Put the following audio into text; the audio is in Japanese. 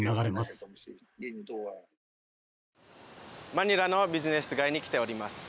マニラのビジネス街に来ております。